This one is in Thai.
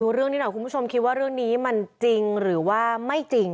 เรื่องนี้หน่อยคุณผู้ชมคิดว่าเรื่องนี้มันจริงหรือว่าไม่จริง